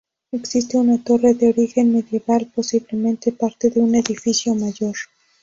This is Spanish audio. Existe una torre de origen medieval, posiblemente parte de un edificio mayor.